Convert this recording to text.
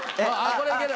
これいける。